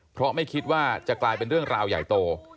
เพราะไม่คิดว่าจะกลายเป็นเรื่องราวใหญ่โต